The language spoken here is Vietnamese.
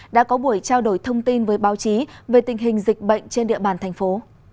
đã có buổi trao đổi thông tin với báo chí về tình hình dịch bệnh trên địa bàn thành phố